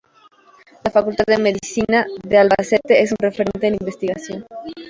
La Facultad de Medicina de Albacete es un referente en investigación.